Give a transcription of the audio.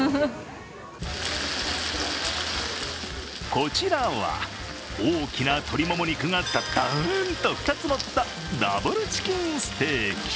こちらは、大きな鶏もも肉がドドーン！と２つのったＷチキンステーキ。